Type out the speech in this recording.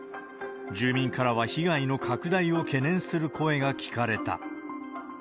住民からは被害の拡大を懸念する声が聞かれた。